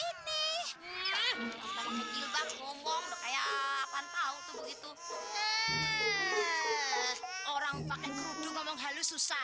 orang pakai keruduk ngomong halus susah